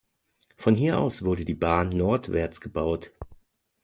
Von hier aus wurde die Bahn nordwärts gebaut.